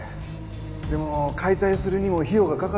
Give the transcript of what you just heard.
でも解体するにも費用がかかるんですよね。